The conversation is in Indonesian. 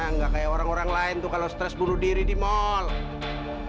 nggak kayak orang orang lain tuh kalau stres bunuh diri di mall